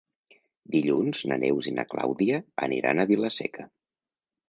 Dilluns na Neus i na Clàudia aniran a Vila-seca.